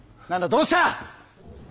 どうした！